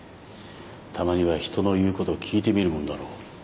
たまには人の言うこと聞いてみるもんだろ。